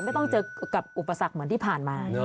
ไม่ต้องเจอกับอุปสรรคเหมือนที่ผ่านมา